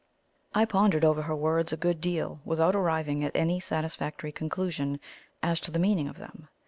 I pondered over her words a good deal without arriving at any satisfactory conclusion as to the meaning of them.